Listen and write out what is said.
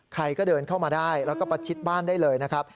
ใครก็เดินเข้ามาได้แล้วก็ประชิดบ้านได้เลยนะครับ